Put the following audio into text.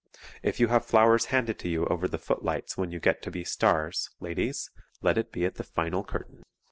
If you have flowers handed to you over the footlights when you get to be stars, ladies, let it be at the final curtain.